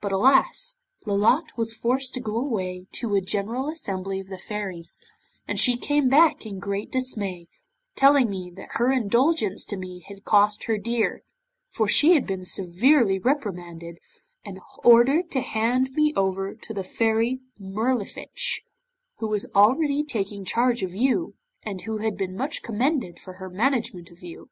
But alas! Lolotte was forced to go away to a general assembly of the Fairies, and she came back in great dismay, telling me that her indulgence to me had cost her dear, for she had been severely reprimanded and ordered to hand me over to the Fairy Mirlifiche, who was already taking charge of you, and who had been much commended for her management of you.